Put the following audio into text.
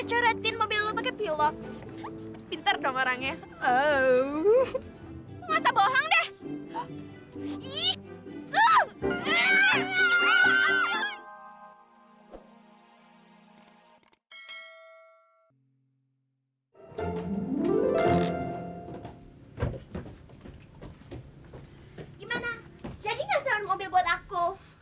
jadi gak seluar mobil buat aku